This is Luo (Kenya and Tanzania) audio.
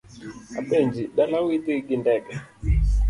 Apenji, dalau idhi gi ndege?